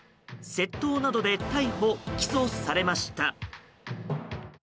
窃盗などで逮捕・起訴されました。